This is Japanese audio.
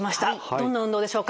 どんな運動でしょうか。